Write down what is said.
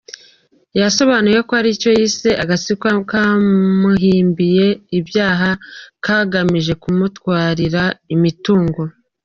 Yasobanuye ko ari icyo yise agatsiko kamuhimbiye ibyaha kagamije kumutwarira imitungo.